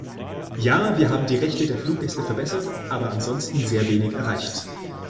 Ja, wir haben die Rechte der Fluggäste verbessert, aber ansonsten sehr wenig erreicht.